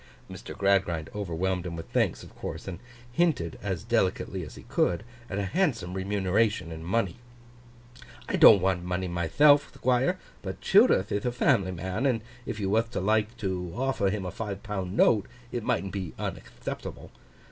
Mr. Gradgrind overwhelmed him with thanks, of course; and hinted as delicately as he could, at a handsome remuneration in money. 'I don't want money mythelf, Thquire; but Childerth ith a family man, and if you wath to like to offer him a five pound note, it mightn't be unactheptable.